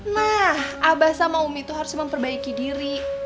nah abah sama umi itu harus memperbaiki diri